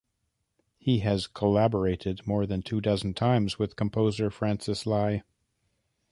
He has collaborated more than two dozen times with composer Francis Lai.